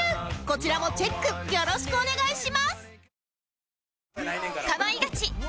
こちらもチェックよろしくお願いします